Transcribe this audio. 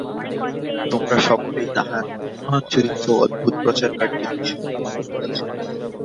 তোমরা সকলেই তাঁহার মহান চরিত্র ও অদ্ভুত প্রচারকার্যের বিষয় অবগত আছ।